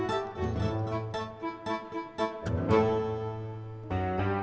gak cukup pulsaanya